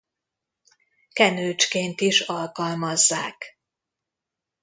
Kenőcsként is alkalmazzák.